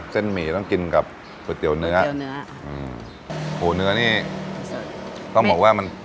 เส้นหมี่ต้องกินกับก๋วยเตี๋ยวเนื้อก๋วยเตี๋ยวเนื้ออืมโหเนื้อนี่ต้องบอกว่ามัน